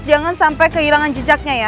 jangan sampai kehilangan jejaknya ya